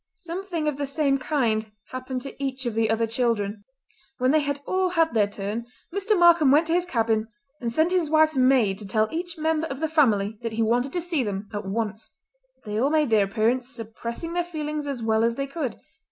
Something of the same kind happened to each of the other children. When they had all had their turn Mr. Markam went to his cabin and sent his wife's maid to tell each member of the family that he wanted to see them at once. They all made their appearance, suppressing their feelings as well as they could.